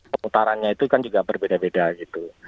pemutarannya itu kan juga berbeda beda gitu